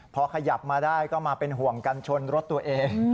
พอขยับมาได้ก็มาเป็นห่วงกันชนรถตัวเอง